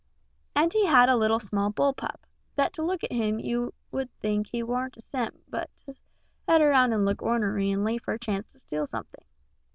And he had a little small bull pup, that to look at him you'd think he warn't worth a cent but to set around and look ornery and lay for a chance to steal something.